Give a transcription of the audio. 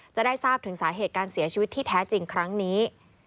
จะได้ทราบถึงสาเหตุการเสียชีวิตที่แท้จริงครั้งนี้